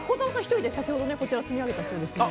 １人で先ほど積み上げたそうですね。